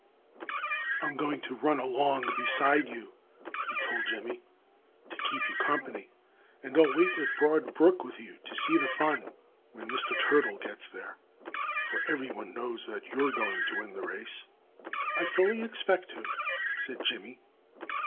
"I'm going to run along beside you," he told Jimmy, "to keep you company. And I'll wait at Broad Brook with you, to see the fun when Mr. Turtle gets there. For everyone knows that you're going to win the race." "I fully expect to," said Jimmy.